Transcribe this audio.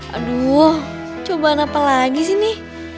aduh cobaan apa lagi sih nih